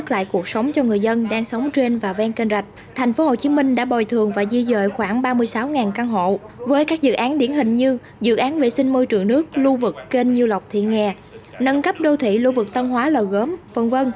lại cuộc sống cho người dân đang sống trên và ven kênh rạch tp hcm đã bồi thường và di dời khoảng ba mươi sáu căn hộ với các dự án điển hình như dự án vệ sinh môi trường nước lưu vực kênh nhiêu lọc thị nghè nâng cấp đô thị lưu vực tân hóa lò gốm v v